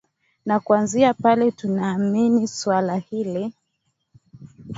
na kuanzia pale tutaamini swala hili